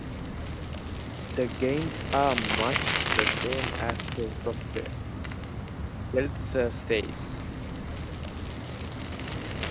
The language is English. "The gains are much the same as for software," Seltzer says.